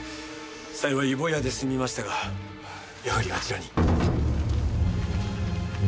幸いぼやで済みましたがやはりあちらに。